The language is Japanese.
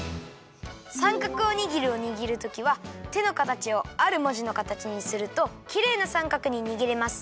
「さんかくおにぎりをにぎるときは手のかたちをあるもじのかたちにするときれいなさんかくににぎれます。